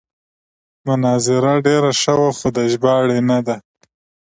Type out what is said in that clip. مناظره ډېره ښه وه خو د ژباړې نه ده.